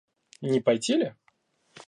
Не пойти ли?